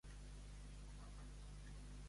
Mai a l'esforçat fou adversa la fortuna.